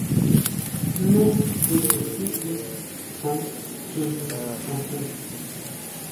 ¿Jmé xi to titsú choo chine xojon?